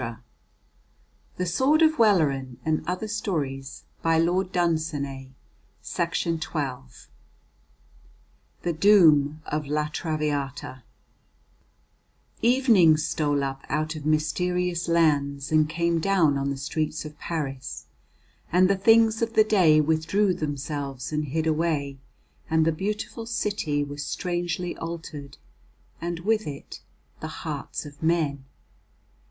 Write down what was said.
All the Work of the World is the making of cities, and all of them I inherit.' The Doom of La Traviata Evening stole up out of mysterious lands and came down on the streets of Paris, and the things of the day withdrew themselves and hid away, and the beautiful city was strangely altered, and with it the hearts of men.